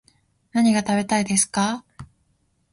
何が食べたいですか